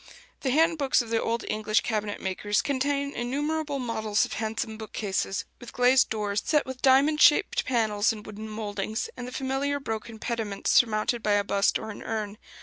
The hand books of the old English cabinet makers contain innumerable models of handsome bookcases, with glazed doors set with diamond shaped panes in wooden mouldings, and the familiar broken pediment surmounted by a bust or an urn.